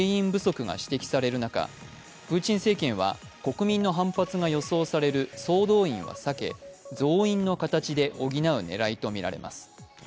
ウクライナ侵攻が長期化し、兵員不足が指摘される中、プーチン政権は国民の反発が予想される総動員は避け増員の形で補う狙いとみられます。